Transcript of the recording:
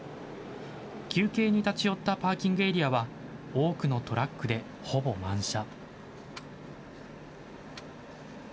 休憩に立ち寄ったパーキングエリアは、多くのトラックでほぼ満車。